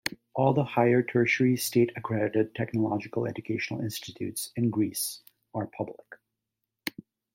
All the higher tertiary state-accredited technological educational institutes in Greece are public.